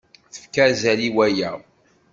Tefka azal i waya.